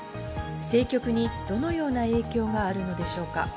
政局にどのような影響があるのでしょうか。